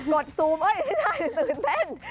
ดซูมเอ้ยไม่ใช่ตื่นเต้น